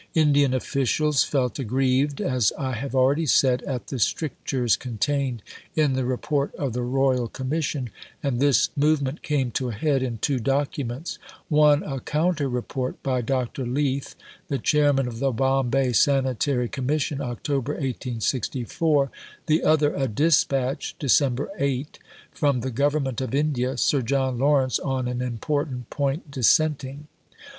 Indian officials felt aggrieved, as I have already said, at the strictures contained in the Report of the Royal Commission, and this movement came to a head in two documents one, a counter Report by Dr. Leith, the Chairman of the Bombay Sanitary Commission (Oct. 1864); the other, a dispatch (Dec. 8) from the Government of India (Sir John Lawrence on an important point dissenting).